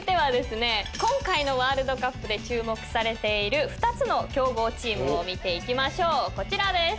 今回のワールドカップで注目されている２つの強豪チームを見ていきましょうこちらです。